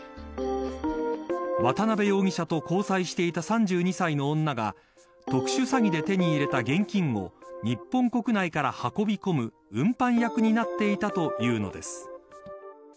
渡辺容疑者と交際していた３２歳の女が特殊詐欺で手に入れた現金を日本国内から運び込む運搬役になっていたというのです。